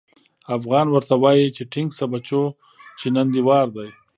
افغان ورته وايي چې ټينګ شه بچو چې نن دې وار دی.